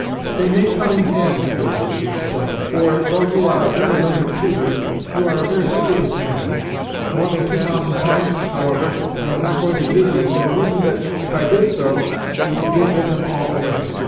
"They may come in handy for you," she explained, "for, though you are a very learned tutor, you are a very stupid man. More than two thousand francs, however, I am not going to give you, for the reason that, if I did so, you would gamble them all away.